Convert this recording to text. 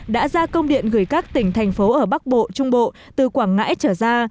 đã ra công điện gửi các tỉnh thành phố ở bắc bộ trung bộ từ quảng ngãi trở ra